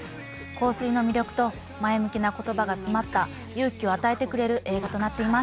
香水の魅力と前向きな言葉が詰まった勇気を与えてくれる映画となっています